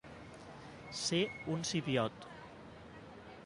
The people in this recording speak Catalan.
Ser un sipiot.